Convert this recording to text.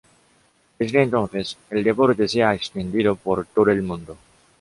Desde entonces, el deporte se ha extendido por todo el mundo.